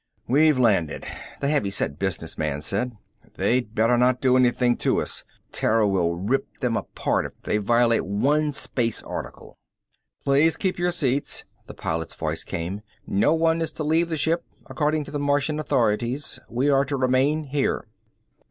"We've landed," the heavy set business man said. "They better not do anything to us! Terra will rip them apart if they violate one Space Article." "Please keep your seats," the pilot's voice came. "No one is to leave the ship, according to the Martian authorities. We are to remain here."